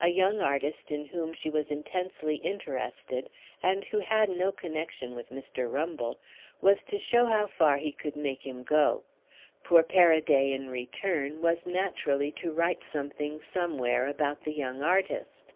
A young artist in whom she was intensely interested, and who had no connexion with Mr. Rumble, was to show how far he could make him go. Poor Paraday, in return, was naturally to write something somewhere about the young artist.